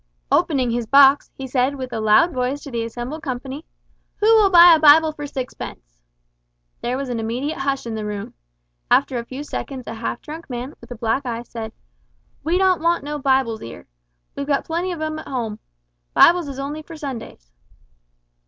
Opening his box, he said in a loud voice to the assembled company, "Who will buy a Bible for sixpence?" There was an immediate hush in the room. After a few seconds a half drunk man, with a black eye, said "We don't want no Bibles 'ere. We've got plenty of 'em at 'ome. Bibles is only for Sundays."